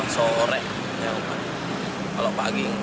sore kalau pagi